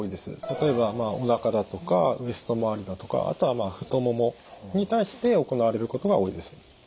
例えばおなかだとかウエスト周りだとかあとは太ももに対して行われることが多いです。